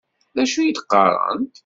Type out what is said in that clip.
D acu i d-qqarent?